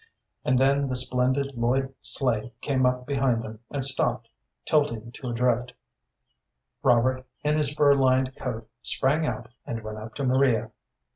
And then the splendid Lloyd sleigh came up behind them and stopped, tilting to a drift. Robert, in his fur lined coat, sprang out and went up to Maria.